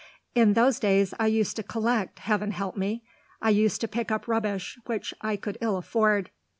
In those days I used to collect heaven help me! I used to pick up rubbish which I could ill afford.